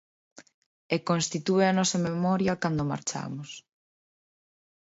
E constitúe a nosa memoria cando marchamos.